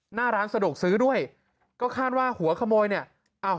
หน้าร้านสะดวกซื้อด้วยก็คาดว่าหัวขโมยเนี่ยอ้าว